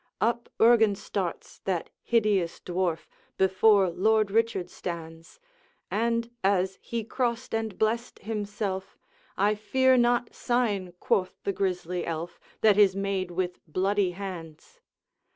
Up Urgan starts, that hideous dwarf, Before Lord Richard stands, And, as he crossed and blessed himself, 'I fear not sign,' quoth the grisly elf, 'That is made with bloody hands.'